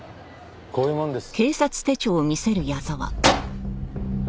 こういう者です。